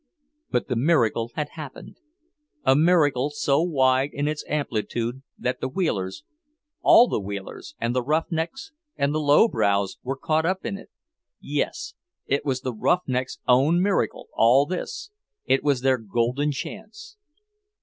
But the miracle had happened; a miracle so wide in its amplitude that the Wheelers, all the Wheelers and the roughnecks and the low brows were caught up in it. Yes, it was the rough necks' own miracle, all this; it was their golden chance.